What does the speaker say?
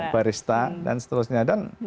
barista dan seterusnya